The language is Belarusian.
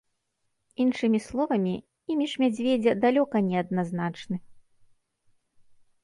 Іншымі словамі, імідж мядзведзя далёка не адназначны.